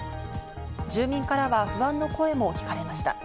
住民からは不安の声も聞かれました。